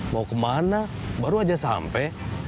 mau kemana baru aja sampai